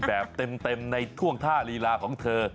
แบบเต็มในท่วงท่าลีลาของเธอ